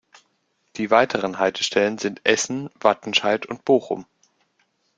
Die weiteren Haltestellen sind Essen, Wattenscheid und Bochum.